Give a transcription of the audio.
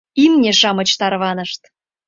Имне-шамыч тарванышт.